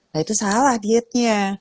nah itu salah dietnya